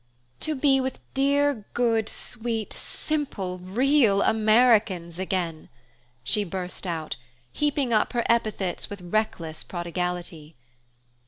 "To be with dear, good, sweet, simple, real Americans again!" she burst out, heaping up her epithets with reckless prodigality.